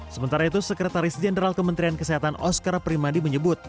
sementara itu sekretaris jenderal kementerian kesehatan osker primadi menyebut